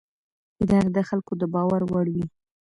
اداره د خلکو د باور وړ وي.